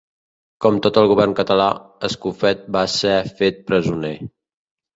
Com tot el govern català, Escofet va ser fet presoner.